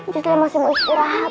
jadilah masih mau istirahat